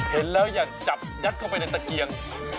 เห็นแล้วอย่าจับยัดเข้าไปในตะเกียง